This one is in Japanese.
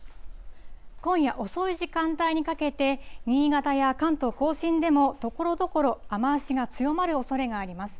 今夜遅い時間帯にかけて、新潟や関東甲信でもところどころ雨足が強まるおそれがあります。